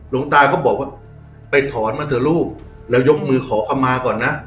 หลวงตาก็บอกว่าไปถอนมาเถอะลูกแล้วยกมือขอคำมาก่อนนะ